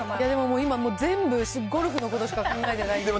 でも今、全部ゴルフのことしか考えてない。